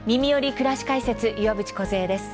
くらし解説」岩渕梢です。